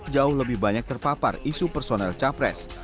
jauh lebih banyak terpapar isu personel capres